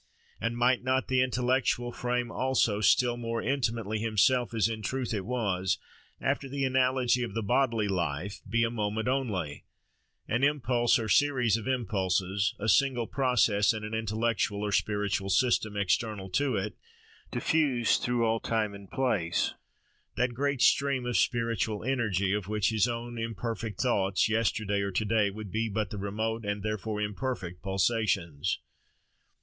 And might not the intellectual frame also, still more intimately himself as in truth it was, after the analogy of the bodily life, be a moment only, an impulse or series of impulses, a single process, in an intellectual or spiritual system external to it, diffused through all time and place—that great stream of spiritual energy, of which his own imperfect thoughts, yesterday or to day, would be but the remote, and therefore imperfect pulsations?